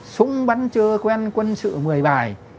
súng bắn chưa quen quân sự một mươi bài